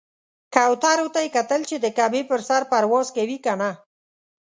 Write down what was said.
کوترو ته یې کتل چې د کعبې پر سر پرواز کوي کنه.